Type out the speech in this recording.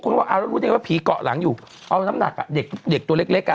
ว่าเอาแล้วรู้ได้ว่าผีเกาะหลังอยู่เอาน้ำหนักอ่ะเด็กเด็กตัวเล็กเล็กอ่ะ